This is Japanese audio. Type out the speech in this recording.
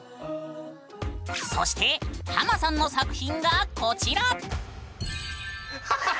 そしてハマさんの作品がこちら！